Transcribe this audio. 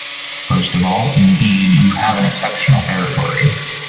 First of all, indeed, you have an exceptional territory.